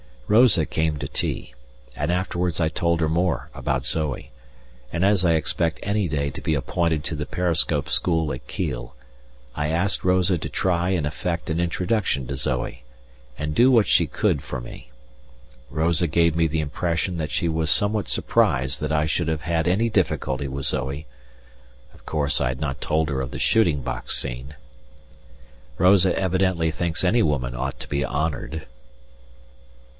Rosa came to tea, and afterwards I told her more about Zoe, and as I expect any day to be appointed to the periscope school at Kiel, I asked Rosa to try and effect an introduction to Zoe, and do what she could for me. Rosa gave me the impression that she was somewhat surprised that I should have had any difficulty with Zoe (of course I had not told her of the shooting box scene). Rosa evidently thinks any woman ought to be honoured....